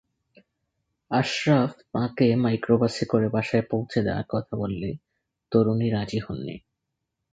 আশরাফ তাঁকে মাইক্রোবাসে করে বাসায় পৌঁছে দেওয়ার কথা বললে তরুণী রাজি হননি।